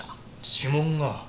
指紋が。